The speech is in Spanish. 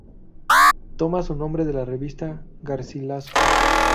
Toma su nombre de la revista "Garcilaso.